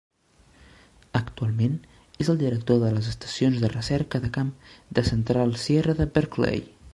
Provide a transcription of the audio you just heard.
Actualment és el director de les Estacions de Recerca de Camp de Central Sierra de Berkeley.